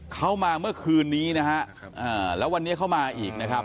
เขามาเมื่อคืนนี้นะฮะแล้ววันนี้เขามาอีกนะครับ